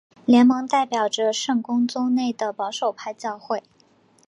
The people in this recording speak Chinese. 联盟代表着圣公宗内的保守派教会。